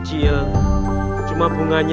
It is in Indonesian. kau mau bersama kayak paman ya